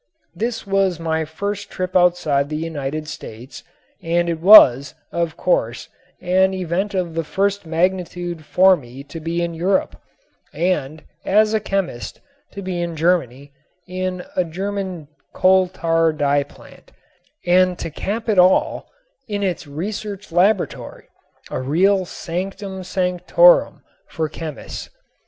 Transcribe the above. This was my first trip outside the United States and it was, of course, an event of the first magnitude for me to be in Europe, and, as a chemist, to be in Germany, in a German coal tar dye plant, and to cap it all in its research laboratory a real sanctum sanctorum for chemists.